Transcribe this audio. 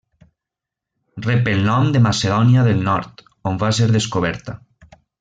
Rep el nom de Macedònia del Nord, on va ser descoberta.